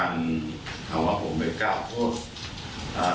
อย่างการถามว่าผมไปก้าวโทษ